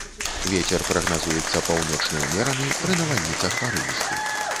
Вецер прагназуецца паўночны ўмераны, пры навальніцах парывісты.